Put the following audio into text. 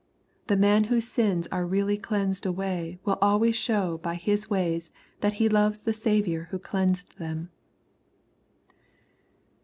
The man whose sins are really cleansed away will always show by his ways that he loves the Saviour who cleansed them.